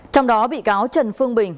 trong đó bị cáo trần phương bình